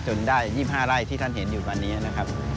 ได้๒๕ไร่ที่ท่านเห็นอยู่ตอนนี้นะครับ